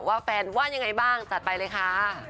ว่าแฟนว่ายังไงบ้างจัดไปเลยค่ะ